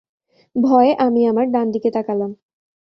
ভয়ে আমি আমার ডান দিকে তাকালাম।